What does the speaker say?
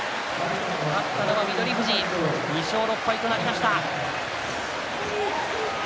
勝ったのは翠富士２勝６敗となりました。